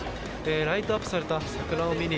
ライトアップされた桜を見に